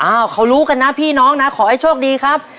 เขารู้กันนะพี่น้องนะขอให้โชคดีครับ